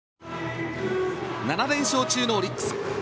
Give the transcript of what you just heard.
７連勝中のオリックス。